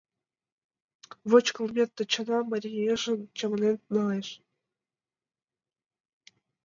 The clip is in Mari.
— Воч, кылмет, — Тачана марийжым чаманен налеш.